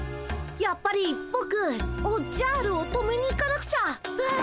やっぱりぼくおっじゃるを止めに行かなくちゃ！わ！